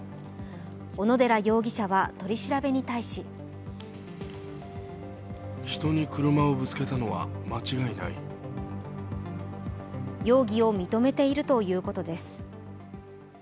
小野寺容疑者は取り調べに対し容疑を認めているということです。